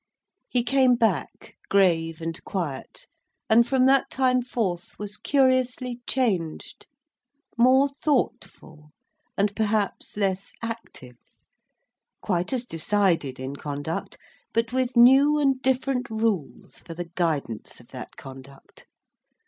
He came back, grave and quiet; and, from that time forth, was curiously changed. More thoughtful, and perhaps less active; quite as decided in conduct, but with new and different rules for the guidance of that conduct.